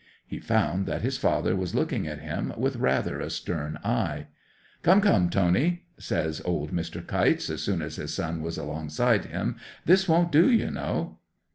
He found that his father was looking at him with rather a stern eye. '"Come, come, Tony," says old Mr. Kytes, as soon as his son was alongside him, "this won't do, you know."